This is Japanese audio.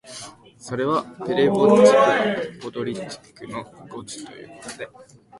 それは「ペレヴォッチクはポドリャッチクの誤植」というので、